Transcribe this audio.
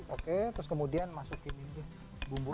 oke terus kemudian masukin bumbu